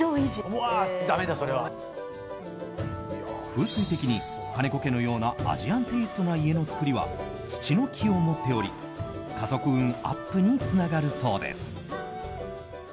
風水的に、金子家のようなアジアンテイストな家のつくりは土の気を持っており家族運アップにつながるそうです。